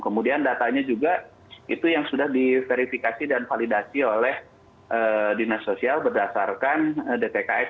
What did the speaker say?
kemudian datanya juga itu yang sudah diverifikasi dan validasi oleh dinas sosial berdasarkan dtks